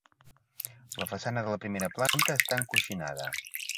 La façana de la primera planta està encoixinada.